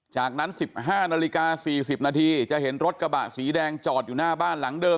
จากนั้น๑๕นาฬิกา๔๐นาทีจะเห็นรถกระบะสีแดงจอดอยู่หน้าบ้านหลังเดิม